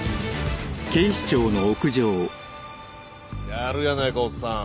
やるやないかおっさん。